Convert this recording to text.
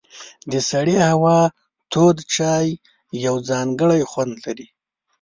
د سړې هوا تود چای یو ځانګړی خوند لري.